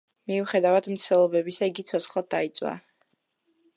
მიუხედავად მცდელობებისა, იგი ცოცხლად დაიწვა.